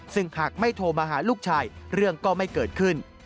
ซึ่งหากไม่โทรมาหาลูกชายเรื่องก็ไม่เกิดขึ้น